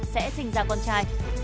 sẽ sinh ra con trai